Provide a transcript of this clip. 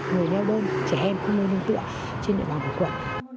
người leo đơn trẻ em khuôn nơi nâng tựa trên địa bàn của quận